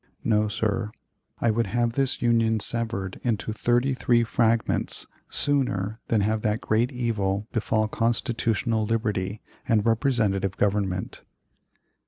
No, sir; I would have this Union severed into thirty three fragments sooner than have that great evil befall constitutional liberty and representative government.